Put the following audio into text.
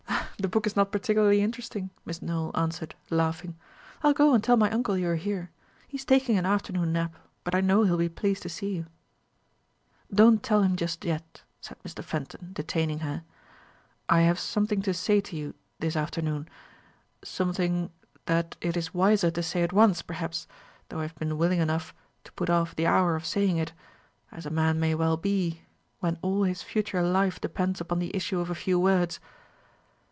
"The book is not particularly interesting," Miss Nowell answered, laughing. "I'll go and tell my uncle you are here. He is taking an afternoon nap; but I know he'll be pleased to see you." "Don't tell him just yet," said Mr. Fenton, detaining her. "I have something to say to you this afternoon, something that it is wiser to say at once, perhaps, though I have been willing enough to put off the hour of saying it, as a man may well be when all his future life depends upon the issue of a few words.